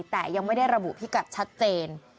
แต่ยังไม่ได้ระบุพิกัดชัดเจน